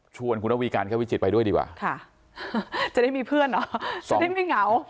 ชวนคุณระวีการแก้ววิจิตไปด้วยดีกว่าค่ะจะได้มีเพื่อนเหรอจะได้ไม่เหงา